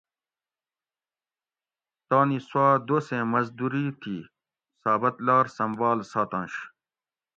تانی سوا دوسیں مزدوری تی ثابت لار سنبال ساتونش